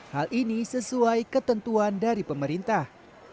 hal ini sesuai ketentuan dari pemerintah